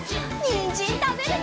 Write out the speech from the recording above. にんじんたべるよ！